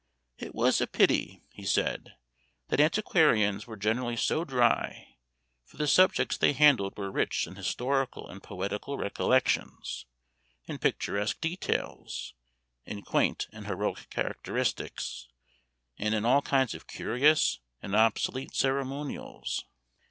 "It was a pity," he said, "that antiquarians were generally so dry, for the subjects they handled were rich in historical and poetical recollections, in picturesque details, in quaint and heroic characteristics, and in all kinds of curious and obsolete ceremonials.